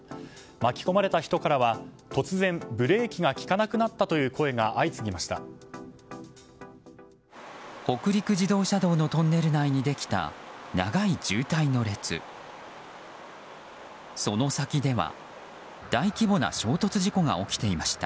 巻き込まれた人からは突然ブレーキが利かなくなったという声が相次ぎました。